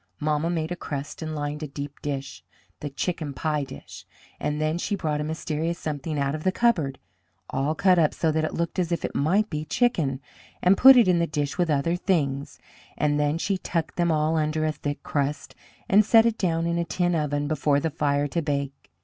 Mamma made a crust and lined a deep dish the chicken pie dish and then she brought a mysterious something out of the cupboard, all cut up so that it looked as if it might be chicken, and put it in the dish with other things, and then she tucked them all under a thick crust, and set it down in a tin oven before the fire to bake.